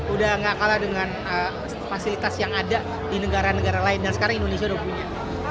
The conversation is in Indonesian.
udah gak kalah dengan fasilitas yang ada di negara negara lain dan sekarang indonesia udah punya